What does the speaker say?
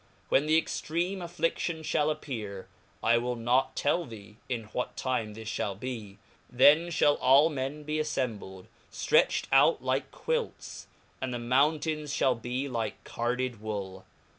When the ex treme afflidion (hall appear , I will not tell thee in what time this (hall be, then fhall all men be affembled , ftretched out , like Quiks, and the mountains fhall be like carded wool.